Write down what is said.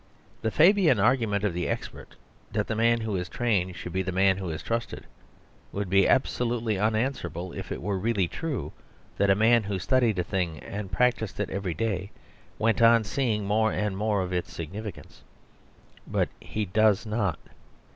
The Fabian argument of the expert, that the man who is trained should be the man who is trusted would be absolutely unanswerable if it were really true that a man who studied a thing and practiced it every day went on seeing more and more of its significance. But he does not.